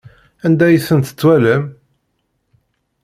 Anda ay tent-twalam?